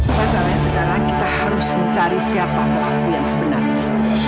pada saat sekarang kita harus mencari siapa pelaku yang sebenarnya